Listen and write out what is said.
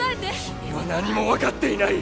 君は何も分かっていない！